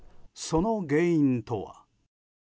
その原因とは。